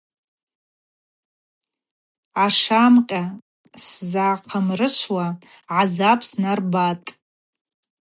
Ашамкъьа сзахъамрышвуа гӏазаб снарбатӏ.